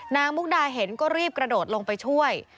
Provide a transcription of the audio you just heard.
มุกดาเห็นก็รีบกระโดดลงไปช่วย